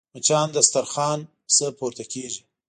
مچان د دسترخوان نه پورته کېږي